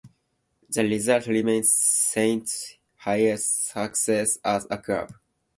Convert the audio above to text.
The result remains Saints' highest success as a club.